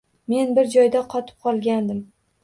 Men bir joyda qotib qolgandim